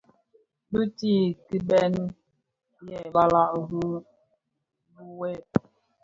Biitiʼi kibëë yêê balàg rì biswed.